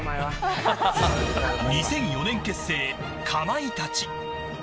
２００４年結成、かまいたち。